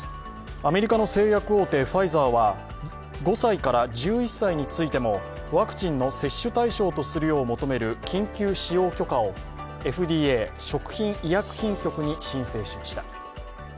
アメリカの製薬大手、ファイザーは５歳から１１歳についてもワクチンの接種対象とするよう求める緊急使用許可をＦＤＡ＝食品医薬品局に申請しました。